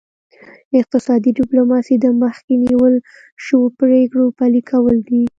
اقتصادي ډیپلوماسي د مخکې نیول شوو پریکړو پلي کول دي